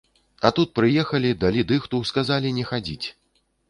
А тут прыехалі, далі дыхту, сказалі не хадзіць.